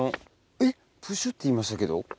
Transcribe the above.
えっプシュっていいましたけど？